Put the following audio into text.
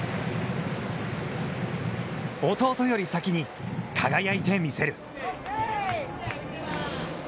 弟より先に輝いてみせる。